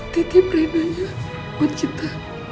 titip rina ya buat kita